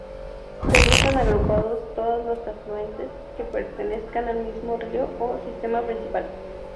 Se listan agrupados todos los afluentes que pertenezcan al mismo río o sistema principal.